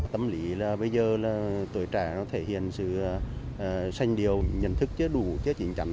tâm lý là bây giờ là tuổi trẻ nó thể hiện sự sanh điều nhận thức chứa đủ chứa chính chắn